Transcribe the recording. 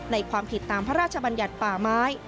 ความผิดตามพระราชบัญญัติป่าไม้